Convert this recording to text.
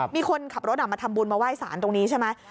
มีคนขับรถมาทำบุญมาไหว้สารตรงนี้ใช่ไหม